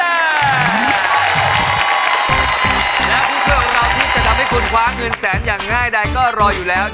และผู้ช่วยของเราที่จะทำให้คุณคว้าเงินแสนอย่างง่ายใดก็รออยู่แล้ว